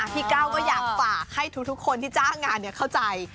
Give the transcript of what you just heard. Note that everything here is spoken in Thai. พี่เก้าก็อยากฝากให้ทุกคนที่จ้างงานเนี่ยเข้าใจ